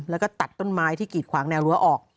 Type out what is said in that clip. แล้วก็ตัดต้นไม้ที่กีดขวางแนวรั้วออก